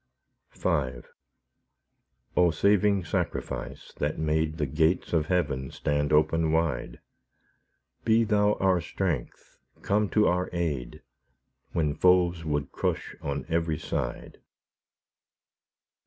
V O Saving Sacrifice! that made The gates of heaven stand open wide, Be Thou our strength, come to our aid, When foes would crush on every side.